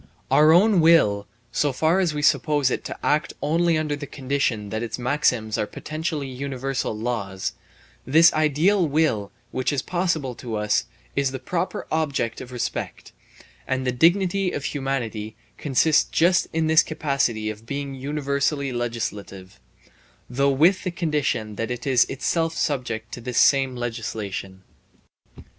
Our own will, so far as we suppose it to act only under the condition that its maxims are potentially universal laws, this ideal will which is possible to us is the proper object of respect; and the dignity of humanity consists just in this capacity of being universally legislative, though with the condition that it is itself subject to this same legislation.